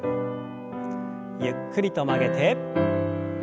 ゆっくりと曲げて。